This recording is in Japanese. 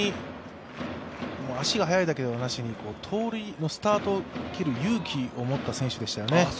足が速いだけではなくて盗塁のスタートを切る勇気を持った選手でしたよね。